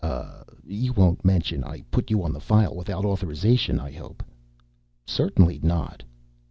Uh you won't mention I put you on the file without authorization, I hope." "Certainly not."